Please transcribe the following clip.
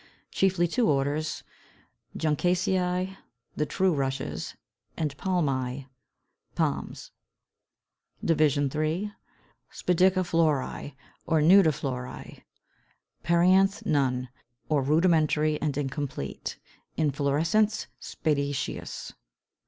Chiefly two orders, Juncaceæ, the true Rushes, and Palmæ, Palms. Division III. SPADICIFLORÆ or NUDIFLORÆ. Perianth none, or rudimentary and incomplete: inflorescence spadiceous.